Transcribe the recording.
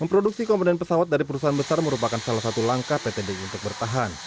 memproduksi komponen pesawat dari perusahaan besar merupakan salah satu langkah pt di untuk bertahan